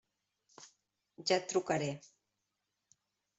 Ja et trucaré.